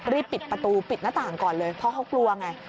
รีบปิดประตูปิดหน้าต่างก่อนเลยเพราะเขากลัวไง